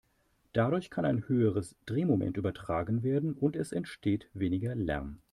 Dadurch kann ein höheres Drehmoment übertragen werden und es entsteht weniger Lärm.